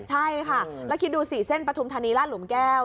ใช่ค่ะแล้วคิดดูสิเส้นปฐุมธานีลาดหลุมแก้ว